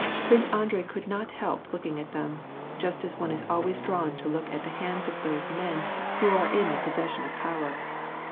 Prince Andrei could not help looking at them, just as one is always drawn to look at the hands of those men who are in the possession of power.